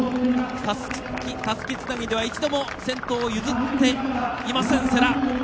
たすきつなぎでは一度も先頭を譲っていない、世羅。